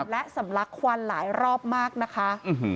และสำลักควันหลายรอบมากนะคะ